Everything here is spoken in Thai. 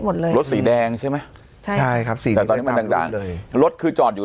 รถสีแดงใช่ไหมใช่ใช่ครับสีแดงแต่ตอนนี้มันดังเลยรถคือจอดอยู่